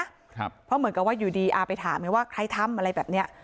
ครับเพราะเหมือนกับว่าอยู่ดีอาไปถามไงว่าใครทำอะไรแบบเนี้ย